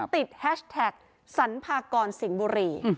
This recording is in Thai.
ติดแฮชแท็กสันพากรสิงบุรี